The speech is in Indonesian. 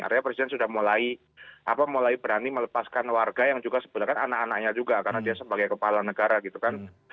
karena sudah mulai berani melepaskan warga yang juga sebenarnya anak anaknya juga karena dia sebagai kepala negara gitu kan